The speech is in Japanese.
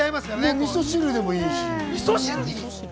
味噌汁でもいいし。